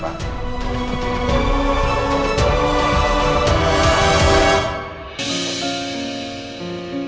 pak nya seneng berapa hari ini